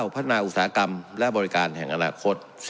พัฒนาอุตสาหกรรมและบริการแห่งอนาคต